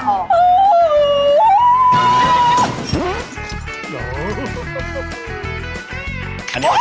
แม่จะลากออก